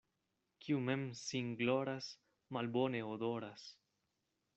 Kiu mem sin gloras, malbone odoras.